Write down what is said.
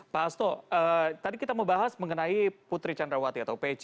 pak hasto tadi kita membahas mengenai putri candrawati atau pc